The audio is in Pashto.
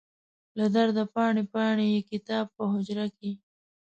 له درده پاڼې، پاڼې یې کتاب په حجره کې